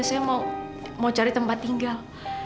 saya mau cari tempat tinggal